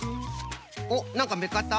おっなんかめっかった？